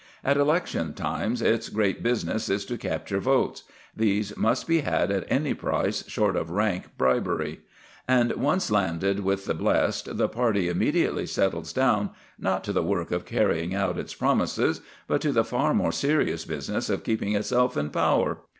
At election times its great business is to capture votes: these must be had at any price short of rank bribery. And, once landed with the blest, the party immediately settles down, not to the work of carrying out its promises, but to the far more serious business of keeping itself in power.